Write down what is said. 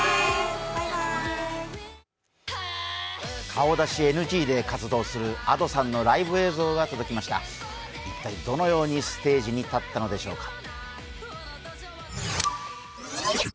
顔出しＮＧで活動するＡｄｏさんのライブ映像が届きました一体、どのようにステージに立ったのでしょうか。